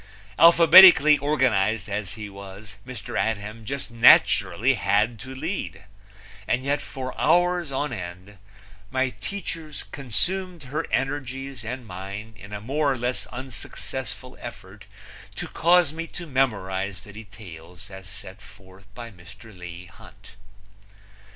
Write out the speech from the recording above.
Alphabetically organized as he was, Mr. Adhem just naturally had to lead; and yet for hours on end my teaches consumed her energies and mine in a more or less unsuccessful effort to cause me to memorize the details as set forth by Mr. Leigh Hunt.